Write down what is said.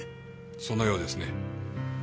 そのようですね。